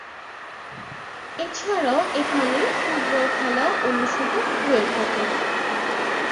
এছাড়াও, এখানে ফুটবল খেলাও অনুষ্ঠিত হয়ে থাকে।